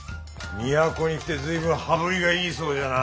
都に来て随分羽振りがいいそうじゃな。